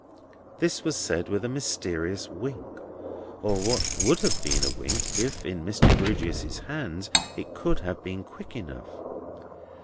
This was said with a mysterious wink; or what would have been a wink, if, in Mr. Grewgious's hands, it could have been quick enough.